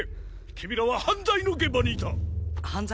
君らは犯罪の現場にいた犯罪？